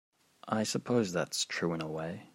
I suppose that's true in a way.